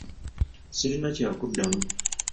Sirina kyakuddamu.